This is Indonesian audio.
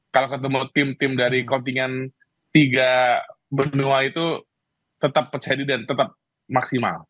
kalau ketemu tim tim dari kontingen tiga benua itu tetap percaya diri dan tetap maksimal